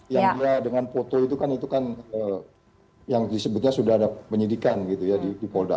yang dia dengan foto itu kan itu kan yang disebutnya sudah ada penyidikan gitu ya di polda